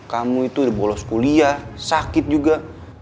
kamu itu bolos kuliah sakit juga